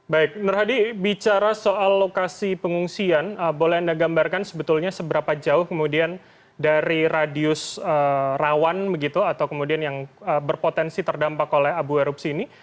baik nur hadi bicara soal lokasi pengungsian boleh anda gambarkan sebetulnya seberapa jauh kemudian dari radius rawan begitu atau kemudian yang berpotensi terdampak oleh abu erupsi ini